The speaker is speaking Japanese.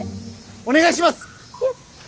お願いします！